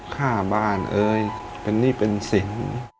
ค่าบ้านเอ๊ยเป็นนี่เป็นเสียง